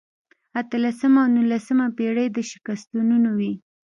اتلسمه او نولسمه پېړۍ د شکستونو وې.